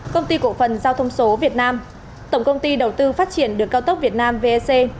công ty cổ phần giao thông số việt nam tổng công ty đầu tư phát triển đường cao tốc việt nam vec